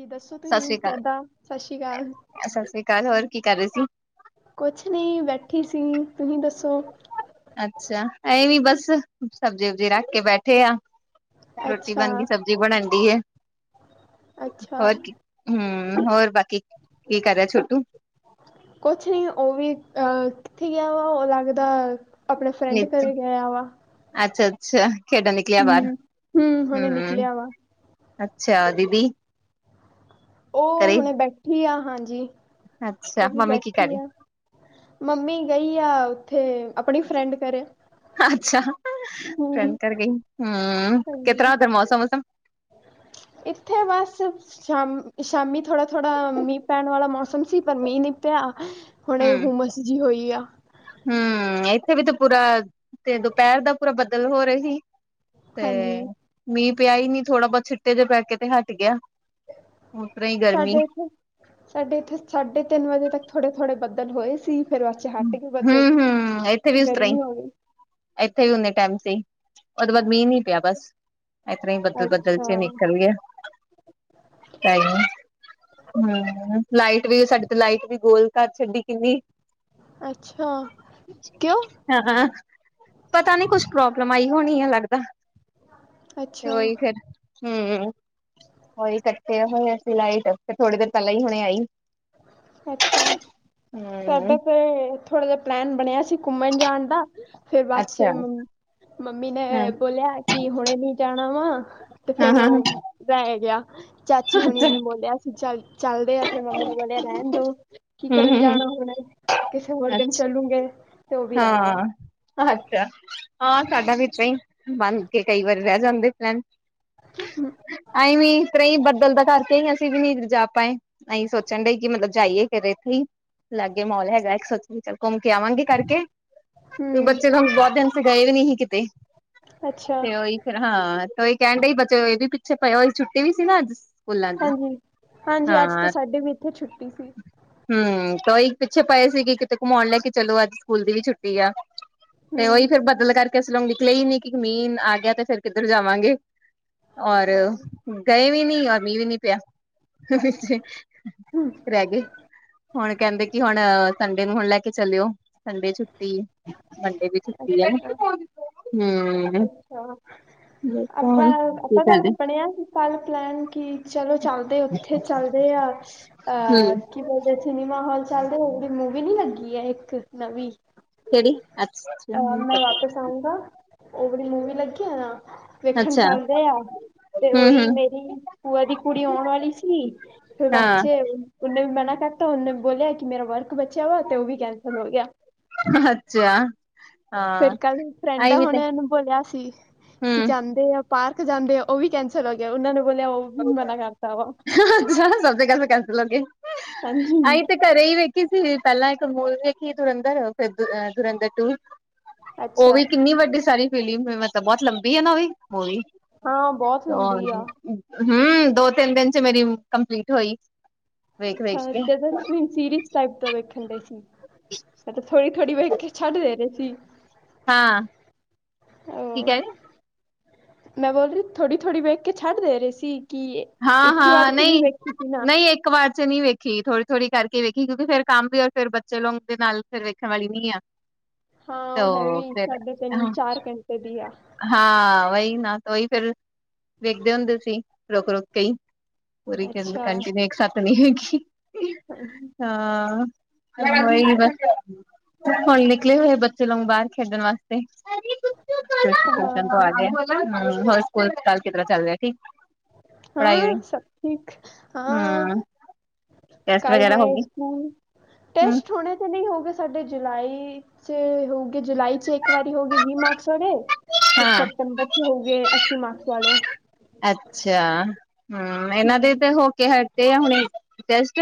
ਜੀ ਦੱਸੋ ਸਤਿ ਤੁਸੀਂ ਸ੍ਰੀ ਅਕਾਲ, ਕਿੱਦਾਂ ਸਤਿ ਸ਼੍ਰੀ ਅਕਾਲ ਸਤਿ ਸ੍ਰੀ ਅਕਾਲ। ਹੋਰ, ਕੀ ਕਰ ਰਹੇ ਸੀ? ਕੁਛ ਨਹੀਂ ਬੈਠੀ ਸੀ ਤੁਸੀਂ ਦੱਸੋ ਅੱਛਾ। ਐ ਵੀ, ਬਸ ਸਬਜ਼ੀ- ਉਬਜੀ ਰੱਖ ਕੇ ਬੈਠੇ ਆ। ਰੋਟੀ, ਅੱਛਾ ਬਣ ਗਈ। ਸਬਜ਼ੀ, ਬਣਦੀ ਹੈ। ਅੱਛਾ ਹੋਰ ਕੀ, ਹੂੰ, ਹੋਰ ਬਾਕੀ ਕੀ ਕਰ ਰਿਹਾ ਛੋਟੂ? ਕੁਛ ਨੀ। ਉਹ, ਵੀ ਅਹ। ਕਿਥੇ ਗਿਆ ਵਾ। ਉਹ ਲੱਗਦਾ, ਆਪਣੇ ਫਰੈਂਡ ਨੀਚੇ ਘਰੇ ਗਿਆ ਵਾ। ਅੱਛਾ-ਅੱਛਾ, ਖੇਡਣ ਨਿਕਲਿਆ ਬਾਹਰ। ਹਮ ਹਮ ਹੁਣੇ ਹੂੰ ਨਿਕਲਿਆ ਵਾ ਅੱਛਾ, ਦੀਦੀ। ਉਹ, ਘਰੇ ਹੁਣੇ, ਬੈਠੀ ਆ, ਹਾਂਜੀ। ਅੱਛਾ, ਉਹ ਵੀ, ਮੰਮੀ ਕੀ ਕਰ ਬੈਠੀ ਰਹੀ? ਆ। ਮੰਮੀ ਗਈ ਆ। ਉੱਥੇ, ਆਪਣੀ ਫਰੈਂਡ ਕਰੇ। ਅੱਛਾ, ਫਰੈਂਡਫ ਘਰ ਗਈ। ਹੂੰ, ਹਾਂਜੀ ਕਿਤਰਾ, ਉਥੇ ਮੌਸਮ- ਮੂਸਮ। ਇੱਥੇ ਬਸ, ਸ਼ਾਮ ਸ਼ਾਮੀ। ਥੋੜਾ- ਥੋੜਾ, ਮੀਂਹ ਪੈਣ ਵਾਲਾ ਮੌਸਮ ਸੀ। ਪਰ ਮੀਂਹ ਨਹੀਂ ਪਿਆ। ਹੁਣੇ ਹੁਮਸ ਜਿ ਹੋਈ। ਕੀਆ ਹੂੰ, ਇੱਥੇ ਵੀ ਤੇ ਪੂਰਾ, ਤੇ ਦੁਪਹਿਰ ਦਾ ਪੂਰਾ ਬਦਲ ਹੋ, ਰਹਾ ਸੀ। ਹਾਂਜੀ ਤੇ, ਮੀਂਹ ਪਿਆ ਹੀ ਨੀ। ਥੋੜਾ ਬਹੁਤ ਛਿੱਟੇ ਜੇ ਪੈਕੇ ਤੇ ਹਟ ਗਿਆ। ਉਸ ਤਰ੍ਹਾਂ ਹੀ ਗਰਮੀ ਸਾਡੇ ਇੱਥੇ, ਸਾਡੇ ਇੱਥੇ, ਸਾਢੇ ਤਿੰਨ ਵਜੇ ਤੱਕ ਥੋੜੇ- ਥੋੜੇ ਬ- ਦਲ ਹੋਏ ਸੀ। ਫਿਰ ਬਾਅਦ ਚ ਹਟ ਗਏ ਹੂੰ- ਬੱਦਲ ਹੂੰ, ਇੱਥੇ ਵੀ ਉਸ ਤਰਾਂ ਹੀ, ਗਰਮੀ ਹੋ ਗਈ ਇੱਥੇ ਵੀ ਉਨਾ ਹੀ ਟਾਈਮ ਸੀ। ਉਹਦੇ ਬਾਅਦ ਮੀਂਹ ਨੀ ਪਿਆ ਬਸ ਇਤਰ ਹੀ ਬੱਦਲ ਬੱਦਲ ਚ ਅੱਛਾ ਨਿਕਲ ਗਿਆ ਹਮ ਲਾਈਟ ਵੀ ਸਾਡੇ ਤੇ ਲਾਈਟ ਵੀ ਗੋਲ ਘਰ ਛੱਡੀ ਕਿੰਨੀ ਅੱਛਾ ਕਿਉਂ ਹਾਂ ਪਤਾ ਨੀ ਕੁੱਛ ਪ੍ਰੋਬਲਮ ਆਈ ਹੋਣੀ ਹੈ ਲੱਗਦਾ ਤੇ ਅੱਛਾ ਉਹੀ ਫਿਰ ਹਮ ਉਹੀ ਇਕੱਠੇ ਹੋਏ ਪ ਲਟ ਤੇ ਥੋੜੀ ਦੇਰ ਪਹਿਲਾਂ ਹੀ ਹੁਣੇ ਆਈ ਅੱਛਾ ਸਾਡਾ ਹਮ ਤੇ ਥੋੜਾ ਜਿ ਪਲੈਨ ਬਣਿਆ ਸੀ ਘੁੰਮਣ ਜਾਣ ਦਾ ਫੇਰ ਬਾਦ ਚ ਅੱਛਾ ਮੰਮੀ ਨੇ ਹਾਂ ਬੋਲਿਆ ਕਿ ਹੁਣੇ ਨੀ ਜਾਣਾ ਵਾ ਤੇ ਹਾਂ ਫੇਰ ਹਾਂ ਉਹ ਰਹਿ ਗਿਆ ਚਾਚੀ ਹੋਣੀ ਅੱਛਾ ਉਹਨੇ ਬੋਲਿਆ ਅਸੀਂ ਚੱਲ ਚੱਲਦੇ ਹਾਂ ਫੇ ਵਾਲਿਆ ਰਹਿਣ ਦੋ ਕੀ ਹਮ ਕਰਨ ਹਮ ਜਾਣਾ ਹੁਣਾ ਕਿਸੇ ਹੋਰ ਦਿਨ ਅੱਛਾ ਚੱਲੂਗੇ ਤੇ ਉਹ ਵੀ ਰਹਿ ਗਿਆ ਹਾਂ ਅੱਛਾ ਹਾਂ ਸਾਡਾ ਵੀ ਤਾਂ ਹੀ ਬੰਦ ਕੇ ਕਈ ਵਾਰੀ ਰਹਿ ਜਾਂਦੇ ਪਲੈਨ ਬੱਦਲ ਦਾ ਕਰਕੇ ਅਸੀਂ ਵੀ ਨੀ ਜਾ ਪਾਏ ਅਸੀਂ ਸੋਚਣ ਡ ਕਿ ਮਤਲਬ ਜਾਈਏ ਫਰੇ ਇੱਥੇ ਹੀ ਅਲੱਗੇ ਮੋਲ ਹੈਗਾ ਇੱਕ ਸੋਚਣ ਚੱਲ ਘੁੰਮ ਕੇ ਆਵਾਂਗੇ ਕਰਕੇ ਹਮ ਬੱਚੇ ਤੁਾਨ ਬਹੁਤ ਦਿਨ ਚ ਗਏ ਵੀ ਨਹੀਂ ਸੀ ਕਿਤੇ ਅੱਛਾ ਤੇ ਉਹੀ ਫੇਿਰ ਹਾਂ ਤੇ ਉਹੀ ਕਹਿਣ ਡਈ ਬਚੇ ਇਹ ਵੀ ਪਿੱਛੇ ਪਏ ਉਹੀ ਛੁੱਟੀ ਵੀ ਸੀ ਨਾ ਅੱਜ ਸਕੂਲਾਂ ਦੀ ਹਾਂਜੀ ਹਾਂਜੀ ਅੱਜ ਤਾਂ ਹਾਂ ਸਾਡੇ ਵੀ ਇੱਥੇ ਛੁੱਟੀ ਸੀ ਹਮ ਤਾਂਹੀ ਪਿੱਛੇ ਪਏ ਸੀ ਕਿ ਕਿਤੇ ਘੁਮਾਉਣ ਲੈ ਕੇ ਚਲੋ ਅੱਜ ਸਕੂਲ ਦੀ ਵੀ ਛੁੱਟੀ ਆ ਤੇ ਹੂੰ ਉਹੀ ਫੇਿਰ ਬਦਲ ਕਰਕੇ ਲਗੀ ਕਿ ਲਈ ਨੀ ਕਿ ਕਮੀਨ ਆ ਗਿਆ ਤੇ ਫੇਰ ਕਿੱਧਰ ਜਾਵਾਂਗੇ ਔਰ ਹਾਂ ਗਏ ਵੀ ਨੀ ਔਰ ਮੀਹ ਵੀ ਨੀ ਪਿਆ ਹ ਰਹਿ ਗਏ ਹੁਣ ਕਹਿੰਦੇ ਕਿ ਹੁਣ ਸੰਡੇ ਨੂੰ ਹੁਣ ਲੈ ਕੇ ਚਲੇਿਓ ਸੰਡੇ ਛੁੱਟੀ ਸੰਡੇ ਦੀ ਛੁੱਟੀ ਅ ਅੱਛਾ ਹਮ ਅੱਛਾ ਦੇਖੋ ਆਪਾਂ ਹੁਣ ਕੀ ਆਪਾਂ ਤਾਂ ਕਰਦੇ ਬਣਿਆ ਸੀ ਕੱਲ ਪਲੈਨ ਕਿ ਚਲੋ ਚੱਲਦੇ ਉੱਥੇ ਚੱਲਦੇ ਆ ਹ ਅਹ ਹਮ ਕੀ ਬੋਲਦੇ ਸਿਨੇਮਾ ਹਾਲ ਚੱਲਦੇ ਉਥੇ ਮੂਵੀ ਲੱਗੀ ਹੈ ਇੱਕ ਨੋਵੀਂ ਕਿਹੜੀ ਅੱਛਾ ਟੋਰ ਨਾਲ ਵਾਪਿਸ ਆਊਂਗਾ ਉਹ ਬੜੀ ਮੂਵੀ ਲੱਗੀ ਆ ਨਾ ਵੇਖਣ ਅੱਛਾ ਚੱਲਦੇ ਆ ਤੇ ਹਮ ਉਹੀ ਹਮ ਮੇਰੀ ਭੁਆ ਦੀ ਕੁੜੀ ਆਉਣ ਵਾਲੀ ਸੀ ਫਿਰ ਹਾਂ ਬੱਚੇ ਉਹਨੇ ਬਿਹਨਾ ਉਹਨੇ ਬੋਲਿਆ ਕਿ ਮੇਰਾ ਵਰਕ ਬਚਿਆ ਵਾ ਤੇ ਉਹ ਵੀ ਕੈਂਸਲ ਹੋ ਗਿਆ ਅੱਛਾ ਹਾਂ ਫਿਰ ਕੱਲ ਫਰੈਂਡ ਆਈ ਵੀ ਤੇ ਹੁਣੇਨੂੰ ਬੋਲਿਆ ਸੀ ਕਿ ਹਮ ਜਾਂਦੇ ਆ ਪਾਰਕ ਜਾਂਦੇ ਆ ਉਹ ਵੀ ਕੈਂਸਲ ਹੋ ਗਿਆ ਉਹਨਾਂ ਨੂੰ ਬੋਲਿਆ ਉਹ ਵੀ ਮਨਾ ਕਰਦਾ ਵਾ ਹਾਂਜੀ ਅਈਂ ਤੇ ਘਰੇ ਹੀ ਵੇਖੀ ਸੀ ਪਹਿਲਾਂ ਮੂਲ ਦੇਖੀ ਜੁਰੰਧਰ ਫਿਰ ਜੁਰੰਧਰ ਟੂ ਉਹ ਅੱਛਾ ਵੀ ਕਿੰਨੀ ਵੱਡੀ ਸਾਰੀ ਫਿਲਮ ਮਤਲਬ ਬਹੁਤ ਲੰਬੀ ਆ ਨਾ ਹਾਂ ਬਹੁਤ ਉਹ ਲੰਬੀ ਆ ਹਮ ਦੋ ਤਿੰਨ ਦਿਨ ਚ ਮੇਰੀ ਕੰਪਲੀਟ ਹੋਈ ਵੇਖ ਵੇਖ ਅੱਛਾ ਕੇ ਜਦ ਤੁਸੀਂ ਸੀਰੀਅਸ ਟਾਈਪ ਦਾ ਵੇਖਣ ਡ ਸੀ ਥੋੜੀ ਘੜੀ ਵਹਿ ਕੇ ਛੱਡ ਦੇ ਰਹੇ ਸੀ ਹਾਂ ਕੀ ਉਹ ਕਹਿ ਰਹੇ ਮੈਂ ਬੋਲ ਰਹੀ ਥੋੜ੍ਹੀ ਥੋੜ੍ਹੀ ਵੇਖ ਕੇ ਛੱਡ ਦੇ ਰਹੀ ਸੀ ਕਿ ਹਾਂ ਇੱਕ ਹੀ ਵਾਰ ਹਾਂ 'ਚ ਨਹੀਂ ਵੇਖੀ ਸੀ ਨਾ ਨਹੀਂ ਇੱਕ ਵਾਰ ਬੇ ਨੀ ਵੇਖੀ ਥੋੜ੍ਹੀ ਥੋੜੀ ਕਰਕੇ ਵੇਖੀ ਕਿਉਂਕਿ ਫੇਰ ਕੰਮ ਵੀ ਔਰ ਫਿਰ ਬੱਚੇ ਲੋਂਗ ਦੇ ਨਾਲ ਫਿਰ ਵੇਖਣ ਵਾਲੀ ਨੀ ਆ ਹਾਂ ਉਹ ਹੈ ਤੋ ਵੀ ਫਿਰ ਸਾਢੇ ਤਿੰਨ ਚਾਰ ਘੰਟੇ ਦੀ ਆ ਹਾਂ ਉਹੀ ਨਾ ਉਹੀ ਫਿਰ ਵੇਖਦੇ ਹੁੰਦੇ ਸੀ ਰੁਕ ਰੁਕ ਕੇ ਹੀ ਪੂਰੀ ਕਹਿੰਦੇ ਅੱਛਾ ਕੰਟੀਨਿਊ ਇੱਕ ਸਾਥ ਨਹੀਂ ਵੇਖੀ ਹਾਂ ਉਹੀ ਬਸ ਹੁਣ ਨਿਕਲੇ ਹੋਏ ਬ ਚਲੋ ਬਾਹਰ ਖੇਡਣ ਵਾਸਤੇ ਟਊਸ਼ਨ ਤੋਂ ਹਾਂ ਆ ਗਏ ਹੋਰ ਸਕੂਲ ਸੁਕਾਲ ਕਿਤਰਾਂ ਚੱਲ ਰਿਹਾ ਠੀਕ ਪੜ੍ਹਾਈ ਹਾਂ ਸਭ ਠੀਕ ਹਾਂ ਹਮ ਟੈਸਟ ਕੱਲ ਵਗੈਰਾ ਹੋ ਹੁਣੇ ਗਈ ਸਕੂਲ ਹਮ ਟੈਸਟ ਹੋਣੇ ਤੇ ਨਹੀਂ ਹੋਗੇ ਸਾਡੇ ਜੁਲਾਈ ਚ ਹੋਗੇ ਜੁਲਾਈ ਚ ਇੱਕ ਵਾਰੀ ਹੋ ਗੇ ਵੀਹ ਮਾਰਕਸ ਵਾਲੇ ਫਿਰ ਹਾਂ ਸਪਤੰਬਰ ਚ ਹੋ ਗਏ ਅੱਸੀ ਮਾਰਕਸ ਵਾਲੇ ਅੱਛਾ ਹਮ ਇਹਨਾਂ ਦੇ ਹੂੰ ਤੇ ਹੋ ਕੇ ਹਟੇ ਆ ਹੁਣ ਟੈਸਟ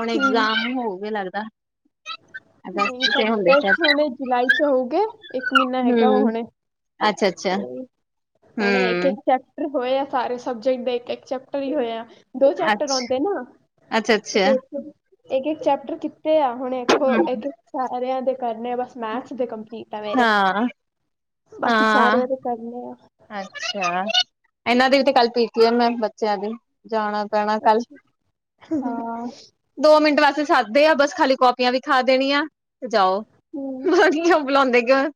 ਹੁਣ ਹੂੰ ਇਗਜ਼ਾਮ ਹੋਗੇ ਲੱਗਦਾ ਨਹੀਂ ਅਗਸਤ ਚ ਹੁੰਦੇ ਸਾਡੇ ਸ਼ਾਇਦ ਹਣੇ ਜੁਲਾਈ ਚ ਹੋਊਗੇ ਇੱਕ ਮਹੀਨਾ ਹੈਗਾ ਉਹ ਹਮ ਅੱਛਾ ਅੱਛਾ ਹੁਣੇਹੀ ਹੁਣੇ ਇੱਕ ਹਮ ਇੱਕ ਚੈਪਟਰ ਹੋਏ ਆ ਸਾਰੇ ਸਬਜੈਕਟ ਦੇ ਇੱਕ ਇੱਕ ਚੈਪਟਰ ਹੀ ਹੋਏ ਆ ਦੋ ਚੈਪਟਰ ਅੱਛਾ ਆਉਂਦੇ ਨਾ ਅੱਛਾ ਤੇ ਅੱਛਾ ਫਿਰ ਇੱਕ ਇੱਕ ਚੈਪਟਰ ਕੀਤੇ ਆ ਹੁਣੇ ਦੇਖੋ ਹਮ ਇੱਕ ਇੱਕ ਸਾਰਿਆਂ ਦੇ ਕਰਨੇ ਬਸ ਮੈਥ ਦੇ ਕੰ ਠੀਕ ਆ ਮੇਰੇ ਹਾਂ ਬਾਕੀ ਹਾਂ ਸਾਰਿਆਂ ਦੇ ਕਰਨੇ ਆ ਅੱਛਾ ਇਹਨਾਂ ਦੀ ਵੀ ਤੇ ਕੱਲ ਪੀਟੀਐੱਮ ਆ ਕਲ ਬੱਚਿਆਂ ਦੀ ਜਾਣਾ ਪੈਣਾ ਕੱਲ ਅੱਛਾ ਹਾਂ ਦੋ ਮਿੰਟ ਵੈਸੇ ਸੱਦੇ ਆ ਬਸ ਖਾਲੀ ਕਾਪੀਆਂ ਵੀਖਾ ਦੇਣੀਆਂ ਤੇ ਜਾਓ ਹੂੰ ਵਧੀਆ ਬੁਲਾਉਂਦੇ ਕਿਓਂ ਆ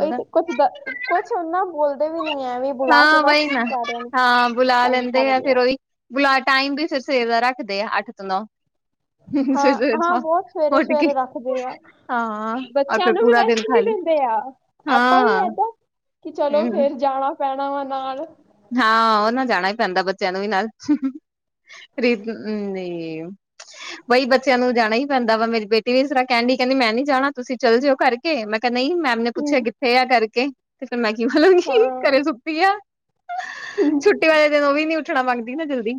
ਤੇ ਕੁਛ ਕੁਛ ਨਾ ਬੋਲਦਾ ਹਾਂ ਬਹੀ ਨਾ ਨੂੰ ਹਾਂ ਬੁਲਾ ਤੰਗ ਲੈਂਦੇ ਆ ਕਰਦੇ ਫੇਿਰ ਉਹੀ ਬੁਲਾ ਟਾਈਮ ਵੀ ਫਿਰ ਸਵੇਰ ਦਾ ਰੱਖ ਦੇ ਆ ਅੱਠ ਤੋਂ ਨੋਂ ਹਾਂ ਹਾਂ ਬਹੁਤ ਸਵੇਰੇ ਸਵੇਰੇ ਰੱਖਦੇ ਆ ਹਾਂ ਔਰ ਬੱਚਿਆਂ ਫਿਰ ਨੂੰ ਵੀ ਪੂਰਾ ਦਿਨ ਰੈਸਟ ਨੀ ਖਾਲੀ ਦਿੰਦੇ ਆ ਆਪਾਂ ਵੀ ਹਾਂ ਏਦਾਂ ਕਿ ਚਲੋ ਹਮ ਫੇਰ ਜਾਣਾ ਪੈਣਾ ਵਾ ਨਾਲ ਹਾਂ ਉਹ ਨਾ ਜਾਣਾ ਹੀ ਪੈਂਦਾ ਬੱਚਿਆਂ ਨੂੰ ਵੀ ਨਾਲ ਬਈ ਬੱਚਿਆਂ ਨੂੰ ਜਾਣਾ ਹੀ ਪੈਂਦਾ ਵਾ ਮੇਰੀ ਬੇਟੀ ਵੀ ਇਸ ਤਰ੍ਹਾਂ ਕਹਿਣ ਕਹਿੰਦੀ ਮੈਂ ਨੀ ਜਾਣਾ, ਤੁਸੀਂ ਚੱਲ ਜਾਇਉ ਕਰਕੇ ਮੈਂ ਕਿਹਾ । ਨਹੀਂ ਮੈਮ ਨੇ ਹੂੰ ਪੁੱਛਿਆ ਕਿੱਥੇ ਆ ਕਰਕੇ ਤੇ ਫਿਰ ਮੈਂ ਕੀ ਬੋਲਾਂਗੀ, ਹਾਂ ਘਰੇ ਸੁੱਤੀ ਆ। ਛੁੱਟੀ ਵਾਲੇ ਦਿਨ ਉਹ ਵੀ ਨੀ ਉੱਠਣਾ ਮੰਗਦੀ ਨਾ ਜਲਦੀ।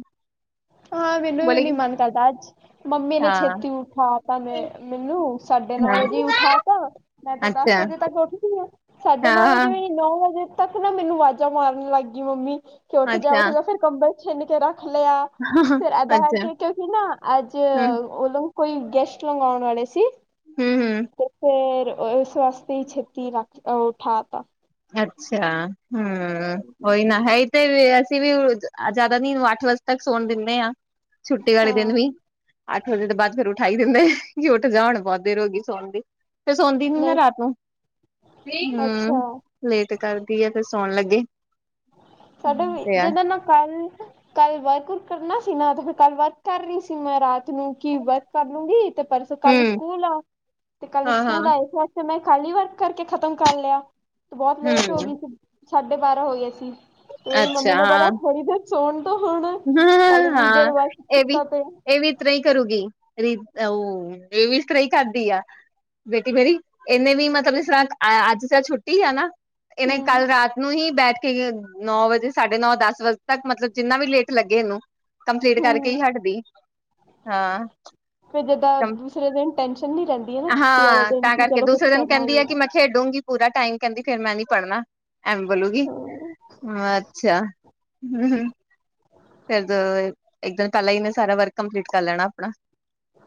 ਹਾਂ ਮੈਨੂੰ ਵੀ ਨੀ ਬੋਲੇਗੀ ਮਨ ਕਰਦਾ ਅੱਜ ਮੰਮੀ ਨੇ ਹਾਂ ਛੇਤੀ ਉਠਾ ਤਾਂ ਮੈਂ ਮੈਨੂੰ ਸਾਡੇ ਨੌ ਹਾਂ ਵਜੇ ਉਠਾ ਤਾ, ਮੈਂ ਤਾਂ ਦਸ ਅੱਛਾ ਵਜੇ ਤੱਕ ਉੱਠਦੀ ਹਾਂ। ਸਾਢੇ ਨੌ ਹਾਂ ਵਜੇ ਵੀ ਨੀ, ਨੌ ਵਜੇ ਤੱਕ ਨਾ ਮੈਨੂੰ ਆਵਾਜ਼ਾਂ ਮਾਰਨ ਲੱਗ ਗਈ ਮੰਮੀ। ਕੇ ਉੱਠ ਜਾ ਉੱਠ ਅੱਛਾ, ਜਾ, ਫਿਰ ਕੰਬਲ ਛਿੰਨ ਕੇ ਰੱਖ ਲਿਆ। ਫਿਰ ਐਧਾ ਅੱਛਾ, ਕਰਕੇ ਕਿਉਂਕਿ ਨਾ ਅੱਜ ਹੂੰ, ਉਦੋ ਕੋਈ ਗੈਸਟ ਲਗ ਆਉਣ ਵਾਲੇ ਸੀ। ਹੂੰ, ਹੂੰ ਤੇ ਫਿਰ ਇਸ ਵਾਸਤੇ ਹੀ ਛੇਤੀ ਲ ਉਠਾਤਾ। ਅੱਛਾ ਹੂੰ ਓਈ ਨਾ ਹੈ ਤੇ ਅਸੀਂ ਵੀ ਜ਼ਿਆਦਾ ਨੀ ਅੱਠ ਵਜੇ ਤੱਕ ਸੌਣ ਦਿੰਨੇ ਹਾਂ। ਛੁੱਟੀ ਵਾਲੇ ਹਾਂ ਦਿਨ ਵੀ ਅੱਠ ਵਜੇ ਤੋਂ ਬਾਅਦ ਫੇਰ ਉਠਾਈ ਕਿਹੰਦੇਉੱਠ ਜਾ ਹੁਣ ਬਹੁਤ ਦੇਰ ਰੋ ਗਈ ਸੋਣ ਦੀ ਤੇ ਸੌਦੀ ਨੀ ਨਾ ਨਹੀਂ ਰਾਤ ਨੂੰ ਹੂੰ। ਅੱਛਾ ਲੇਟ ਕਰਦੀ ਏ ਤੇ ਸੌਣ ਲੱਗੇ। ਸਾਡਾ ਹਮ, ਤੇ ਆ ਜਿਦਾਂ ਨਾ ਕੱਲ ਕੱਲ ਵਰਕ ਆਊਟ ਕਰਨਾ ਸੀ ਨਾ ਤੇ ਫਿਰ ਕੱਲ ਵਰਕ ਕਰ ਰਹੀ ਸੀ, ਮੈਂ ਰਾਤ ਨੂੰ ਕੀ ਵਰਕ ਕਰ ਲੂੰਗੀ। ਤੇ ਪਰਸੋਂ ਕੱਲ ਹੂੰ ਸਕੂਲ ਆ ਤੇ ਕੱਲ ਹਾਂ ਹਾਂ ਸਕੂਲ ਆ ਇਸ ਵਸਤੇ ਮੈਂ ਖਾਲੀ ਵਰ ਵਰਕ ਕਰਕੇ ਖ਼ਤਮ ਕਰ ਲਿਆ ਤੇ ਬਹੁਤ ਲੇਟ ਹੋ ਗਈ ਹੂੰ ਸੀ, ਸਾਢੇ ਬਾਰਾਂ ਹੋ ਗਏ ਸੀ। ਉਹੀ ਤੇ ਮੰਮੀ ਨੇ ਬੋਲਿਆ ਥੋੜੀ ਦੇਰ ਸੌਣ ਦੋ ਹੁਣ ਕੱਲ ਹ ਇੰਨੀ ਦੇਰ ਹਾਂ, ਵਰਕ ਇਹ ਵੀ ਕੀਤਾ ਤੇ ਇਹ ਵੀ ਇਸ ਤਰ੍ਹਾਂ ਹੀ ਕਰੂਗੀ। ਉਹ ਇਹ ਵੀ ਇਸ ਤਰ੍ਹਾਂ ਹੀ ਕਰਦੀ ਆ। ਬੇਟੀ ਮੇਰੀ ਇਹਨੇ ਵੀ ਮਤਲਬ ਸੁਣਾ ਅੱਜ ਚ ਛੁੱਟੀ ਆ ਨਾ। ਇਹਨੇ ਕੱਲ ਹਮ ਰਾਤ ਨੂੰ ਹੀ ਬੈਠ ਕੇ ਨੌ ਵਜੇ, ਸਾਢੇ ਨੌ, ਦਸ ਵਜੇ ਤੱਕ ਮਤਲਬ ਜਿੰਨਾ ਵੀ ਲੇਟ ਲੱਗੇ ਇਹਨੂੰ ਕੰਪਲੀਟ ਕਰਕੇ ਹਮ ਹੀ ਹਟਦੀ ਹਾਂ ਫਿਰ ਜਿੱਦਾਂ ਦੂਸਰੇ ਦਿਨ ਟੈਨਸ਼ਨ ਨੀ ਰਹਿੰਦੀ ਹੈ ਨਾ ਛੁੱਟੀ ਵਾਲੇ ਹਾਂ ਦਿਨ ਤਾਂ ਕਿ ਕਰਕੇ ਚਲੋ ਦੂਸਰੇ ਕੁਛ ਦਿਨ ਕਰਨਾ ਕਹਿੰਦੀ ਆ ਨੀ ਕਿ ਹੈ ਮੈਂ ਖੇਡੂੰਗੀ ਪੂਰਾ ਟਾਈਮ, ਕਹਿੰਦੀ ਫੇਰ ਮੈਂ ਨੀ ਪੜ੍ਹਨਾ। ਐਵੇ ਬੋਲੂਗੀ, ਹਾਂ ਹਾਂ ਅੱਛਾ, ਹੂੰ ਹੂੰ। ਫਿਰ [unintelligible] ਇੱਕ ਦਿਨ ਪਹਿਲਾ ਹੀ ਇੰਨਾ ਸਾਰਾ ਵਰਕ ਕੰਪਲੀਟ ਕਰ ਲੈਣਾ ਆਪਣਾ।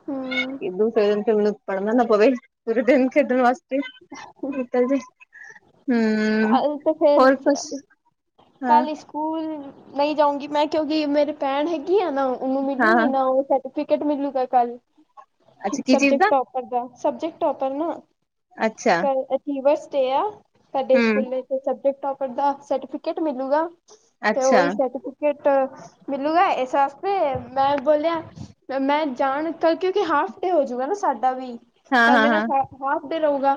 ਹਮ ਦੂਸਰੇ ਦਿਨ ਤੇ ਮੈਨੂੰ ਪੜ੍ਹਨਾ ਨਾ ਪਵੇ, ਪੂਰੇ ਦਿਨ ਖੇਡਣ ਵਾਸਤੇ। [unintelligible] ਨਿਕਲ ਜੇ ਹੂੰ ਕੱਲ ਤੇ ਹੋਰ ਫਿਰ ਕੁਛ। ਹਾਂ ਕੱਲ ਸਕੂਲ ਨਹੀਂ ਜਾਊਂਗੀ ਮੈਂ ਕਿਉਂਕਿ ਮੇਰੀ ਭੈਣ ਹੈਗੀ ਆ ਨਾ ਉਹਨੂੰ ਮਿਲੂਗੀ ਹਾਂ ਨਾ ਉਹ ਸਰਟੀਫਿਕੇਟ ਮਿਲੂਗਾ ਕੱਲ, ਅੱਛਾ ਕੀ ਚੀਜ਼ ਸਬਜੈਕਟ ਦਾ ਟੋਪਰ ਦਾ। ਸਬਜੈਕਟ ਟੋਪਰ ਨਾ ਅੱਛਾ ਅਚੀਵਰਸ ਡੇ ਆ। ਸਾਡੇ ਹੂੰ ਸਕੂਲੇ ਤੇ ਸਬਜੈਕਟ ਟੋਪਰ ਦਾ ਸਰਟੀਫਿਕੇਟ ਮਿਲੂਗਾ। ਤੇ ਅੱਛਾ ਉਹੀ ਸਰਟੀਫਿਕੇਟ ਮਿਲੂਗਾ ਇਸ ਮੈਂ ਬੋਲਿਆ, ਮੈਂ ਜਾਣ ਤਾ ਕਿਉਂਕਿ ਹਾਫ ਡੇ ਹੋਜੂਗਾ ਨਾ ਸਾਡਾ ਵੀ। ਹਾਂ ਕੱਲ ਹਾਂ ਮੇਰੇ ਨਾ ਹਾਂ ਸਾ ਹਾਫ ਡੇ ਰਹੂਗਾ,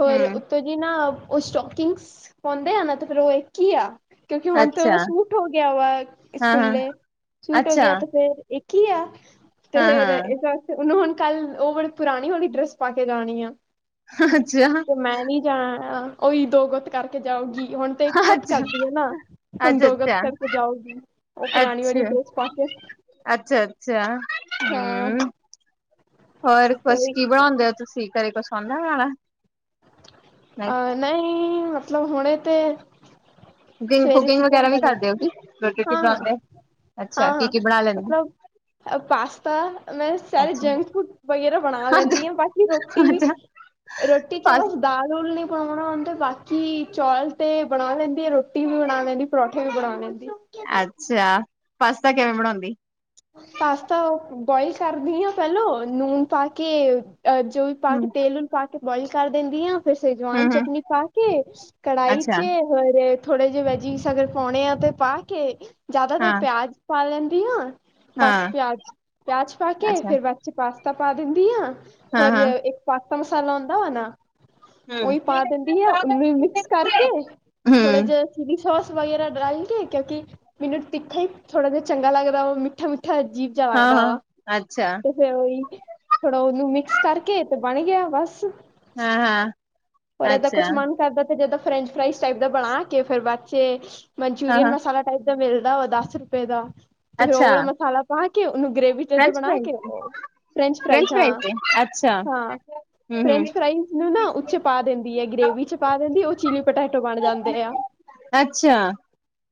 ਹੋਰ ਹੂੰ ਉੱਤੋਂ ਜੀ ਨਾ ਉਹ ਸਟੋਕਿੰਗਸ ਪਾਉਂਦੇ ਆ ਨਾ ਤੇ ਫਿਰ ਉਹ ਇੱਕ ਹੀ ਆ। ਕਿਉਂਕਿ ਹੁਣ ਤੇ ਅੱਛਾ ਉਹਦਾ ਸੂਟ ਹੋ ਗਿਆ ਵਾ ਹਾਂ ਹਾਂ ਸਕੂਲੇ ਸੂਟ ਹੋ ਅੱਛਾ ਗਿਆ ਤੇ ਫੇਰ ਇੱਕ ਕੀ ਆ, ਤੇ ਹਾਂ ਫੇਰ ਹਾਂ ਇਸ ਵਾਸਤੇ ਉਹਨੂੰ ਹੁਣ ਕੱਲ ਉਹ ਬੜੀ ਪੁਰਾਣੀ ਵਾਲੀ ਡਰੈਸ ਪਾ ਕੇ ਜਾਣੀ ਆ, ਅੱਛਾ ਤੇ ਮੈਂ ਨੀ ਜਾਣਾ। ਉਹੀ ਦੋ ਗੁੱਤ ਕਰਕੇ ਜਾਉਗੀ ਹੁਣ ਤੇ ਗੁੱਤ ਅੱਛਾ ਕਰਦੀ ਆ ਨਾ, ਅੱਛਾ ਹੁਣ ਦੋ ਗੁੱਤ ਅੱਛਾ ਕਰਕੇ ਜਾਊਗੀ, ਉਹ ਪੁਰਾਣੀ ਵਾਲੀ ਡਰੈਸ ਪਾ ਕੇ। ਅੱਛਾ-ਅੱਛਾ। ਹਾਂ ਹੂੰ, ਹੋਰ ਤੇ ਕੁਛ ਉਹੀ ਕੀ ਬਣਾਉਂਦੇ ਹੋ ਤੁਸੀਂ ਘਰੇ ਕੁਛ ਆਉਂਦਾ ਬਣਾਣਾ? ਅਹ ਨਹੀਂ ਮਤਲਬ ਹੁਣੇ ਤੇ ਕੁਕਿੰਗ ਸਵੇਰੇ ਕੁਕਿੰਗ ਚਿਕਨ ਵਗੈਰਾ ਵੀ ਬਣੇ, ਕਰਦੇ ਹੋ ਕੀ ਰੋਟੀ ਰੂਟੀ ਹਾਂ-ਹਾਂ। ਬਣਾਉਂਦੇ ਅੱਛਾ ਕੀ ਹਾਂ-ਹਾਂ ਕੀ ਬਣਾ ਲੈਂਦੇ ਮਤਲਬ ਪਾਸਤਾ ਮੈਂ ਸਾਰੇ ਅੱਛਾ ਜੰਕ ਫੂਡ ਵਗੈਰਾ ਬਣਾ ਲੈਂਦੀ ਹਾਂ ਬਾਕੀ ਰੋਟੀ ਅੱਛਾ ਰੋਟੀ 'ਚ ਬਸ ਦਾਲ-ਦੂਲ ਨੀ ਪਾਵਾਂ ਬਣਾਉਣ ਤੇ ਬਾਕੀ ਚੌਲ ਤੇ ਬਣਾ ਲੈਂਦੀ ਆ ਰੋਟੀ ਵੀ ਬਣਾ ਲੈਂਨੀ ਪਰੌਠੇ ਵੀ ਬਣਾ ਲੈਂਨੀ। ਅੱਛਾ ਪਾਸਤਾ ਕਿਵੇਂ ਬਣਾਉਨੀ? ਪਾਸਤਾ ਬੋਆਇਲ ਕਰਦੀ ਆ ਪਹਿਲੋਂ ਨੂਨ ਪਾ ਕੇ। ਅਹ ਜੋ ਵੀ ਪਾ ਕੇ ਹੂੰ ਤੇਲ ਨੂੰ ਪਾ ਕੇ ਬੁਆਇਲ ਕਰ ਦਿੰਦੀ ਆ। ਫਿਰ ਹੂੰ ਸ਼ੇਜਵਾਨ ਹੂੰ ਚਟਨੀ ਪਾ ਕੇ, ਕੜਾਹੀ 'ਚ ਅੱਛਾ ਔਰ ਥੋੜੇ ਜਿਹੇ ਵੈਜੀਸ ਅਗਰ ਪਾਉਣੇ ਆ ਤੇ ਪਾ ਕੇ ਜਿਆਦਾਤਰ ਹਾਂ ਪਿਆਜ ਪਾ ਲੈਂਦੀ ਹਾਂ। ਬਸ ਹਾਂ ਪਿਆਜ, ਪਿਆਜ ਪਾ ਕੇ ਅੱਛਾ ਫੇਰ ਬਾਅਦ 'ਚ ਪਾਸਤਾ ਪਾ ਦਿੰਦੀ ਆ। ਹਾਂ ਹੋਰ ਹਾਂ ਇੱਕ ਪਾਸਤਾ ਮਸਾਲਾ ਹੁੰਦਾ ਵਾ ਨਾ ਹੂੰ ਉਹੀ ਪਾ ਦਿੰਦੀ ਆ ਉਹਨੂੰ ਮਿਕਸ ਕਰਕੇ, ਥੋੜਾ ਜਿਹਾ ਸੀ ਚ ਸੋਸ ਵਗੈਰਾ ਡਾਲ ਕੇ ਕਿਉਂਕਿ, ਮੈਨੂੰ ਤਿੱਖਾ ਥੋੜ੍ਹਾ ਜਿਹਾ ਚੰਗਾ ਲੱਗਦਾ ਵਾ ਮਿੱਠਾ ਮਿੱਠਾ ਅਜੀਬ ਜਾ ਲਗਦਾ ਵਾ ਤੇ ਫਿਰ ਉਹੀ ਥੋੜਾ ਉਹਨੂੰ ਮਿਕਸ ਕਰਕੇ ਬਣ ਗਿਆ ਬਸ, ਹੋਰ ਏਦਾਂ ਕੁਛ ਮਨ ਕਰਦਾ ਜਦੋਂ ਫਰੈਂਚ ਫਰਾਾਈਜ਼ ਟਾਈਪ ਦਾ ਬਣਾ ਕੇ ਫ਼ਿਰ ਬਾਅਦ 'ਚ ਮਨਚੂਰੀਅਨ ਮਸਾਲਾ ਟਾਈਪ ਮਿਲਦਾ ਵਾ ਦਸ ਰੁਪਏ ਦਾ। ਤੇ ਫੇਰ ਉਹ ਅੱਛਾ ਵਾਲਾ ਮਸਾਲਾ ਪਾ ਕੇ ਉਹਨੂੰ ਗ੍ਰੇਵੀ ਦੇ ਦੋ ਬਣਾ ਕੇ, ਉਹ ਫਰੈਂਚ ਫਰਾਇਜ ਹਾਂ ਅੱਛਾ, ਹਾਂ ਹੂੰ-ਹੂੰ, ਫਰੈਂਚ ਫਰਾਈਜ਼ ਨੂੰ ਨਾ ਉਹ 'ਚ ਪਾ ਦਿੰਦੀ ਹੈ ਗ੍ਰੇਵੀ 'ਚ ਪਾ ਦਿੰਦੀ ਉਹ ਚੀਲੀ ਪੋਟੈਟੋ ਬਣ ਜਾਂਦੇ ਆ। ਅੱਛਾ,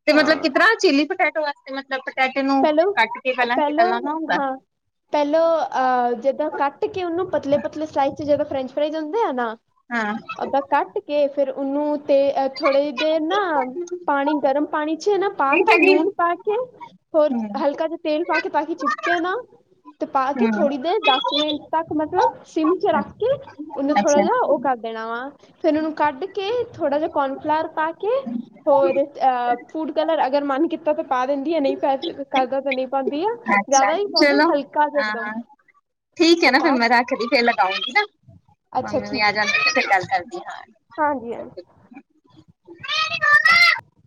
ਤੇ ਮਤਲਬ ਕੀ ਹਾਂ ਤਰ੍ਹਾਂ ਚਿੱਲੀ ਪਟੈਟੋ ਵਾਸਤੇ ਮਤਲਬ ਪਟੈਟੋ ਨੂੰ, ਪਹਿਲੋਂ ਕੱਟ ਕੇ ਪਹਿਲਾਂ ਕੀ ਪਹਿਲੋਂ ਪਹਿਲਾਂ ਹਾਂ, ਪਹਿਲਾਂ ਅਹ ਜਦਾਂ ਕੱਟ ਕੇ ਉਹਨੂੰ ਪਤਲੇ-ਪਤਲੇ ਸਲਾਈ ਚ ਜਦੋਂ ਫਰੈਂਚ ਫਰਾਈਜ਼ ਹੁੰਦੇ ਆ ਨਾ, ਹਾਂ, ਓਦਾਂ ਕੱਟ ਕੇ ਫੇਰ ਉਹਨੂੰ ਤੇ ਥੋੜੀ ਦੇਰ ਨਾ, ਪਾਣੀ ਗਰਮ ਪਾਣੀ 'ਚ ਇਹ ਨਾ ਪਾ ਕੇ ਨੂਨ ਪਾ ਕੇ ਹੋਰ ਹੂੰ-ਹੂੰ, ਹਲਕਾ ਜਿਹਾ ਤੇਲ ਪਾ ਕੇ ਤਾਂ ਕੇ ਚਿਪਕੇ ਨਾ, ਤੇ ਪਾ ਕੇ ਥੋੜ੍ਹੀ ਦੇਰ ਦ ਸ ਮਿੰਟ ਤੱਕ ਮਤਲਬ ਸਿੰਮ 'ਚ ਰੱਖ ਕੇ ਉਹਨੂੰ ਥੋੜਾ ਅੱਛਾ, ਜਿਹਾ ਉਹ ਕਰ ਦੇਣਾ ਵਾ। ਫੇਰ ਉਹਨੂੰ ਕੱਢ ਕੇ ਥੋੜ੍ਹਾ ਜਿਹਾ ਕੋਰਨਫਲਾਰ ਪਾ ਕੇ ਹੋਰ ਅਹ ਫੂਡ ਕਲਰ ਅਗਰ ਮਨ ਕੀਤਾ ਤਾਂ ਪਾ ਦਿੰਦੀ ਹੈ ਨਹੀਂ ਪ ਕਰਦਾ ਤਾਂ ਨਹੀਂ ਪਾਉਂਦੀ ਹੈ। ਅੱਛਾ ਚਲੋ ਹਾਂ ਹਾਂ ਠੀਕ ਹੈ ਉਹ ਨਾ ਫਿਰ ਪਾ ਮੈਂ ਰੱਖਦੀ ਫਿਰ ਲਗਾਉਂਗੀ । ਅੱਛਾ ਮੰਮੀ ਵੀ ਆ ਠੀਕ ਜਾਂਦੀ ਫਿਰ ਗੱਲ ਕਰਦੀ ਹਾਂ। ਹਾਂਜੀ ਹਾਂਜੀ।